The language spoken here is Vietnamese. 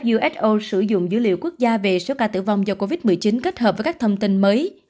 uso sử dụng dữ liệu quốc gia về số ca tử vong do covid một mươi chín kết hợp với các thông tin mới